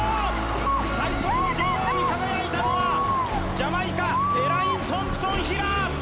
最速の女王に輝いたのはジャマイカエレイン・トンプソンヒラ。